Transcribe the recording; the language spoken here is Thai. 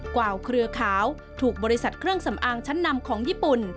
วาวเครือขาวถูกบริษัทเครื่องสำอางชั้นนำของญี่ปุ่น